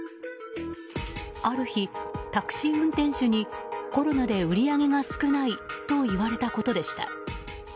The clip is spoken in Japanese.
ある日、タクシー運転手にコロナで売り上げが少ないと言われたことでした。